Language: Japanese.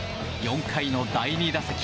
４回の第２打席。